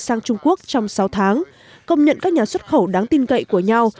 sang trung quốc trong sáu tháng công nhận các nhà xuất khẩu đáng tin cậy của nhau